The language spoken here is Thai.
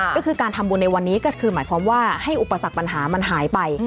ก็คือการทำบุญในวันนี้ก็คือหมายความว่าให้อุปสรรคปัญหามันหายไป